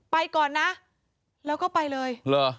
ไปก่อนนะแล้วก็ไปเลยเหรอ